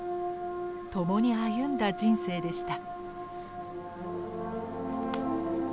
共に歩んだ人生でした。